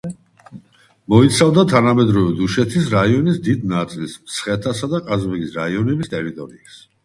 მოიცავდა თანამედროვე დუშეთის რაიონის დიდ ნაწილს, მცხეთისა და ყაზბეგის რაიონების ტერიტორიას.